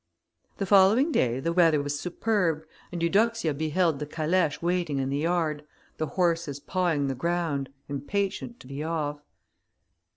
The following day the weather was superb, and Eudoxia beheld the calèche waiting in the yard, the horses pawing the ground, impatient to be off.